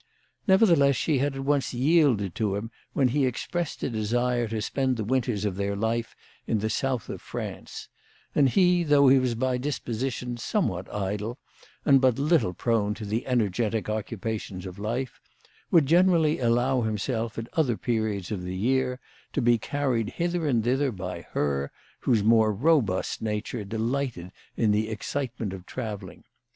Nevertheless she had at once yielded to him when he expressed a desire to spend the winters of their life in the south of France ; and he, though he was by disposition somewhat idle, and but little prone to the energetic occupations of life, would generally allow himself, at other periods of the year, to be carried hither and thither by her, whose more robust nature delighted in the excitement of travelling.